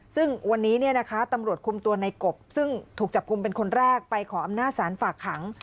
ซึ่งวันนี้ตำรวจคุมตัวในกบซึ่งถูกจับกลุ่มเป็นคนแรกไปขออำนาจศาลฝากขัง